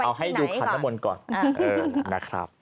เอาให้ดูขันนมนต์ก่อน